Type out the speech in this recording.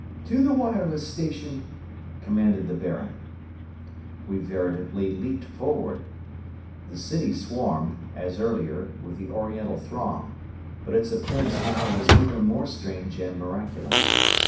"To the wireless station!" commanded the Baron. We veritably leapt forward. The city swarmed, as earlier, with the Oriental throng, but its appearance now was even more strange and miraculous.